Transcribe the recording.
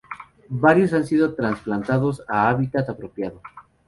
Varios han sido trasplantados a hábitat apropiado.